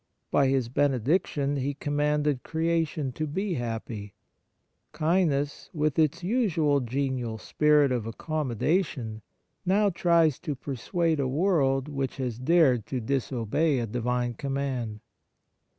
By His benediction He com manded creation to be happy ; kindness, w^ith its usual genial spirit of accommoda tion, now tries to persuade a world which has dared to disobey a Divine command.